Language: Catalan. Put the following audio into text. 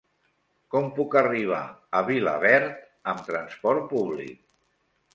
Com puc arribar a Vilaverd amb trasport públic?